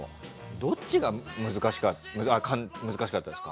どっちが難しかったですか？